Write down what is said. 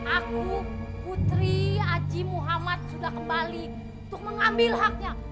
aku putri aji muhammad sudah kembali untuk mengambil haknya